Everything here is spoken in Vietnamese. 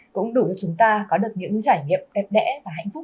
cũng đủ cho chúng ta có được những trải nghiệm đẹp đẽ và hạnh phúc